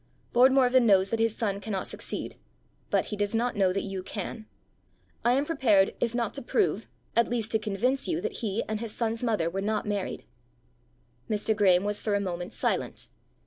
Lord Morven knows that his son cannot succeed, but he does not know that you can. I am prepared, if not to prove, at least to convince you that he and his son's mother were not married." Mr. Graeme was for a moment silent.